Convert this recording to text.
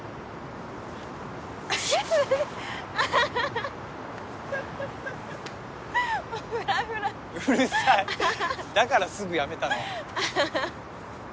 フフフアハハハフラフラうるさいだからすぐやめたのアハハ